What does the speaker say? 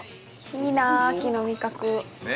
いいなぁ秋の味覚。